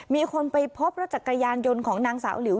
มีคนไปพบรถจักรยานยนต์ของนางสาวหลิว